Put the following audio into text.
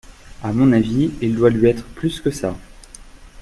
À mon avis, il doit lui être plus que ça…